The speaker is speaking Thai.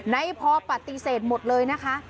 ในพอปฏิเสธหมดเลยนะคะ